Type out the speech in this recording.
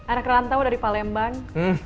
arah kerantau dari palembang